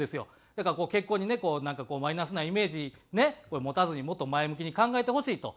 だから結婚にねなんかマイナスなイメージ持たずにもっと前向きに考えてほしいと。